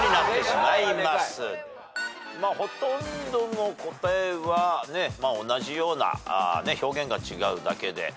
ほとんどの答えは同じような表現が違うだけで。